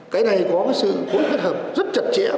cái này có sự hối phát hợp rất trật trị